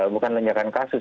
bukan lonjakan kasus